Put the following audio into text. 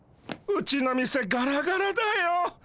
うちの店がらがらだよ。